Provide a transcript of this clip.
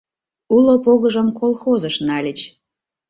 Уло погыжым колхозыш нальыч.